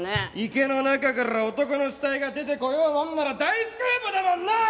池の中から男の死体が出てこようもんなら大スクープだもんなあ！！